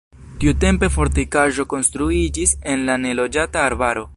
Tiutempe fortikaĵo konstruiĝis en la neloĝata arbaro.